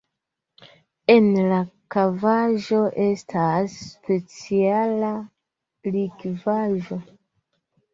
En la kavaĵo estas speciala likvaĵo.